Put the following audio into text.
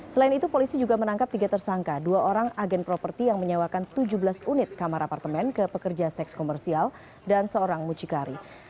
selain itu polisi juga menangkap tiga tersangka dua orang agen properti yang menyewakan tujuh belas unit kamar apartemen ke pekerja seks komersial dan seorang mucikari